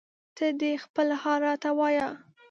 ته دې خپل حال راته وایه